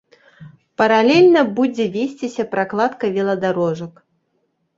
Паралельна будзе весціся пракладка веладарожак.